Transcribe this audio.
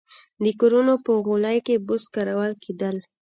د کورونو په غولي کې بوس کارول کېدل